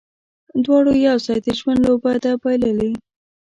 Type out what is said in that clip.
دواړو یو ځای، د ژوند لوبه ده بایللې